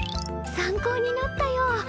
参考になったよ。